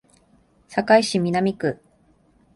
堺市南区